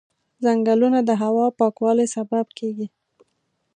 ځنګلونه د هوا پاکوالي سبب کېږي.